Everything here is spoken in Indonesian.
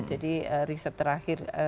jadi riset terakhir